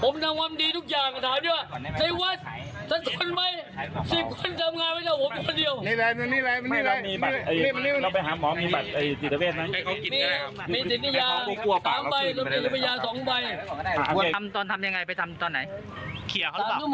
ไปปลูกเขาหรือเปล่า